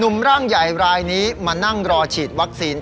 ร่างใหญ่รายนี้มานั่งรอฉีดวัคซีน